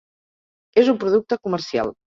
És un producte comercial.